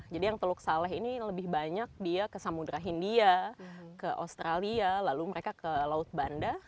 jadi yang teluk saleh ini lebih banyak dia ke samudera india ke australia lalu mereka ke laut banda